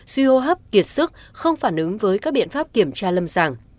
suy hô hấp kiệt sức không phản ứng với các biện pháp kiểm tra lâm sàng